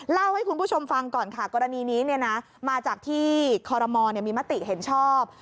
เล่าให้คุณผู้ชมฟังก่อนค่ะกรณีนี้มาจากที่คอรมอลมีมติเห็นชอบ